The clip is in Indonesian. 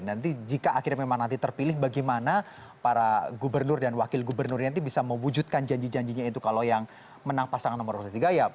nanti jika akhirnya memang nanti terpilih bagaimana para gubernur dan wakil gubernurnya nanti bisa mewujudkan janji janjinya itu kalau yang menang pasangan nomor urut tiga ya